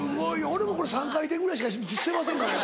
俺もこれ３回転ぐらいしかしてませんから。